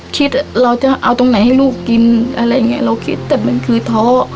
เราจะเอาตรงไหนให้ลูกกินอะไรอย่างนี้เราคิดแต่มันคือท้อ